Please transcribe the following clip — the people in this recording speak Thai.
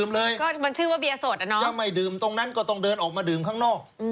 แล้วก็ต้องเดินออกมาดื่มข้างนอก